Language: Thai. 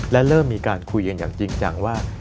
และเริ่มมีการคุยกันอย่างจริงจังว่า